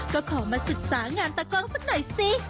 ก็ขอมาศึกษางานตะกองสักหน่อยสิ